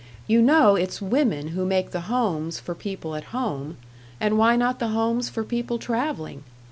You know it's women who make the homes for people at home, and why not the homes for people traveling?...